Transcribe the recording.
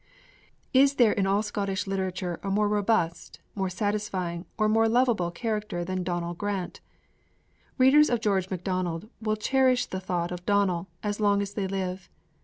V Is there in all Scottish literature a more robust, more satisfying, or more lovable character than Donal Grant? Readers of George Macdonald will cherish the thought of Donal as long as they live.